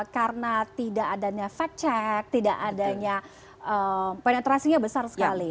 karena tidak adanya fact check tidak adanya penetrasinya besar sekali